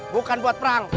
bukan buat perang